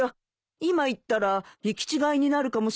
今行ったら行き違いになるかもしれませんよ。